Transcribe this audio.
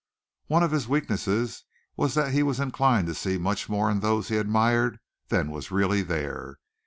One of his weaknesses was that he was inclined to see much more in those he admired than was really there.